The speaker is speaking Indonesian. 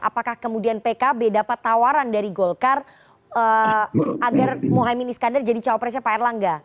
apakah kemudian pkb dapat tawaran dari golkar agar mohaimin iskandar jadi cawapresnya pak erlangga